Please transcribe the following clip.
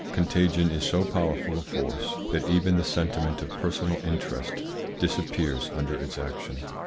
Contagion is so powerful a force that even the sentiment of personal interest disappears under its action.